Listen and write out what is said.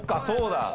そうだ！